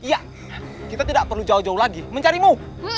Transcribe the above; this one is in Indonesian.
iya kita tidak perlu jauh jauh lagi mencarimu